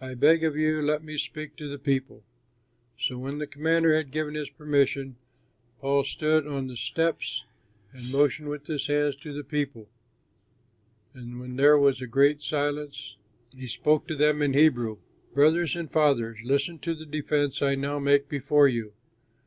I beg of you, let me speak to the people." So when the commander had given him permission, Paul stood on the steps and motioned with his hand to the people, and when there was a great silence, he spoke to them in Hebrew: "Brothers, and fathers, listen to the defense I now make before you."